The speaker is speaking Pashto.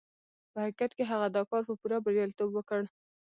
په حقيقت کې هغه دا کار په پوره برياليتوب وکړ.